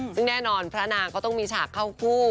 ซึ่งแน่นอนพระนางก็ต้องมีฉากเข้าคู่